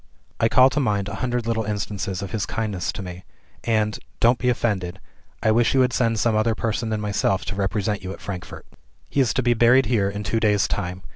I call to mind a hundred little instances of his kindness to me and (don't be offended) I wish you had sent some other person than myself to represent you at Frankfort. "He is to be buried here, in two days' time.